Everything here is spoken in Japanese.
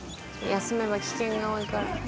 休めば危険が多いから。